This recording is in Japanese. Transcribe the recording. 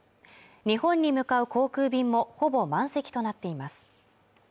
日本に向かう航空便もほぼ満席となっています